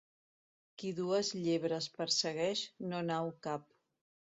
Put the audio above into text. Qui dues llebres persegueix, no n'hau cap.